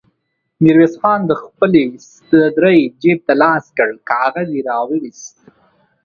ميرويس خان د خپلې سدرۍ جېب ته لاس کړ، کاغذ يې را وايست.